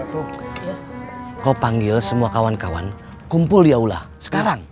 kau panggil semua kawan kawan kumpul di aula sekarang